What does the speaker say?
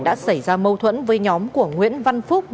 đã xảy ra mâu thuẫn với nhóm của nguyễn văn phúc